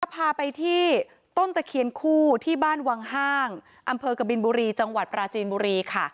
พาไปที่ต้นตะเคียนคู่ที่บ้านวังห้างอำเภอกบินบุรีจังหวัดปราจีนบุรีค่ะ